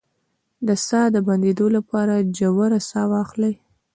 د ساه د بندیدو لپاره ژوره ساه واخلئ